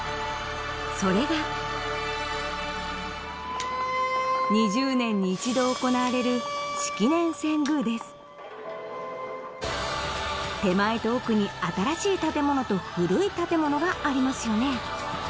それが２０年に１度行われる手前と奥に新しい建物と古い建物がありますよね